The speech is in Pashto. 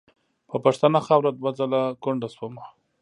په پښتنه خاوره دوه ځله کونډه شومه .